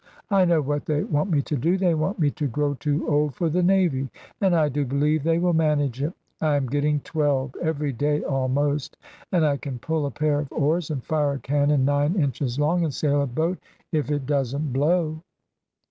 I know what they want me to do. They want me to grow too old for the Navy! And I do believe they will manage it. I am getting twelve, every day almost, and I can pull a pair of oars, and fire a cannon nine inches long, and sail a boat, if it doesn't blow."